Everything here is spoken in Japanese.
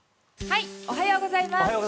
おはようございます。